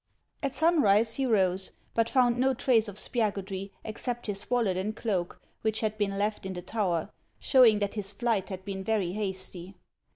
At sunrise he rose, but found no trace of Spiagudry except his wallet and cloak, which had been left in the tower, showing that his flight had been very hasty.